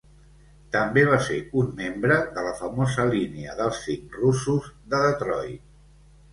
També va ser un membre de la famosa línia dels Cinc Russos de Detroit.